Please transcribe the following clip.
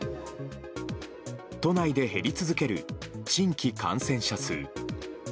都内で減り続ける新規感染者数。